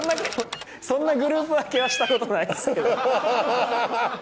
そんなグループ分けはしたことないですけど。